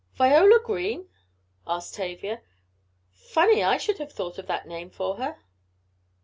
"Viola Green?" asked Tavia. "Funny I should have thought of that name for her."